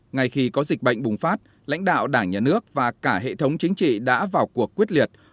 ngay khi có dịch bệnh bùng phát lãnh đạo đảng nhà nước và cả hệ thống chính trị đã vào cuộc quyết liệt